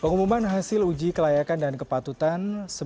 pengumuman hasil uji kelayakan dan kepatutan